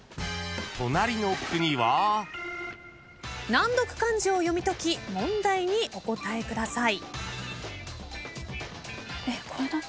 難読漢字を読み解き問題にお答えください。